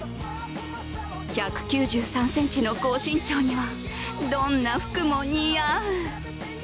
１９３ｃｍの高身長には、どんな服も似合う。